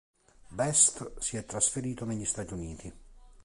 Best si è trasferito negli Stati Uniti.